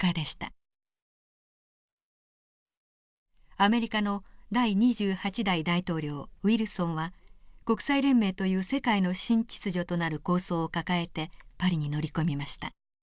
アメリカの第２８代大統領ウィルソンは国際連盟という世界の新秩序となる構想を抱えてパリに乗り込みました。